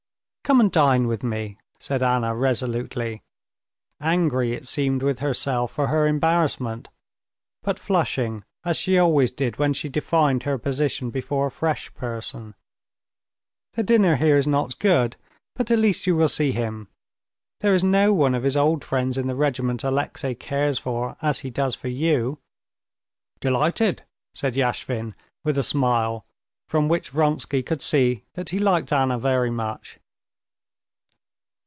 "Come and dine with me," said Anna resolutely, angry it seemed with herself for her embarrassment, but flushing as she always did when she defined her position before a fresh person. "The dinner here is not good, but at least you will see him. There is no one of his old friends in the regiment Alexey cares for as he does for you." "Delighted," said Yashvin with a smile, from which Vronsky could see that he liked Anna very much.